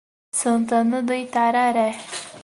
Santana do Itararé